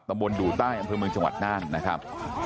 ตำบลดั่วใต้อำนาบบริเมิงจังหวัดน่านนะครับ